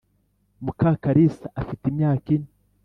mukakalisa afite imyaka ine